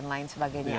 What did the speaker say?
ukn dan lain sebagainya